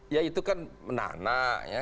ya itu kan anak anak ya